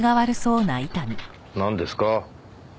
なんですか？